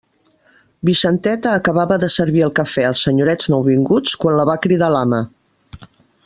Vicenteta acabava de servir el cafè als senyorets nouvinguts, quan la va cridar l'ama.